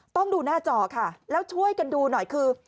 ต้องดูหน้าจอค่ะแล้วช่วยกันดูหน่อยคือ